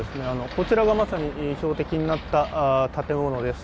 こちらがまさに標的になった建物です。